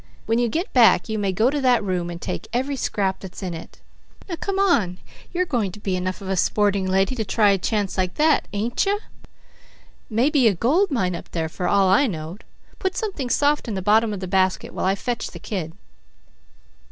When you get back you may go to that room and take every scrap that's in it. Now come on; you're going to be enough of a sporting lady to try a chance like that, ain't you? May be a gold mine up there, for all I know. Put something soft in the bottom of the basket while I fetch the kid."